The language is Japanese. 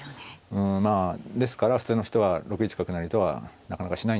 うんまあですから普通の人は６一角成とはなかなかしないんですけど。